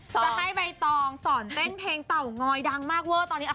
จะให้ใบตองสอนเซลล์เพลงเต๋าน์งอยน่ารักมาร์คเว่ะ